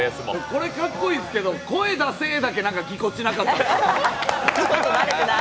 これかっこいいですけど、声出せだけぎこちなかったです。